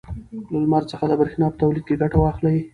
له لمر څخه د برېښنا په تولید کې ګټه واخلئ.